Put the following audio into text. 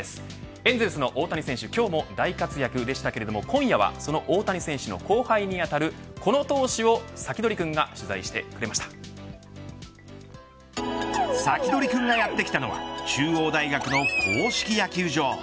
エンゼルスの大谷選手、今日も大活躍でしたけども、今夜はその大谷選手の後輩にあたるこの投手をサキドリくんがサキドリくんがやってきたのは中央大学の公式野球場。